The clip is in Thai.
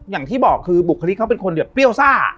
อย่างที่บอกคือบุคลิกเขาเป็นคนแบบเปรี้ยวซ่า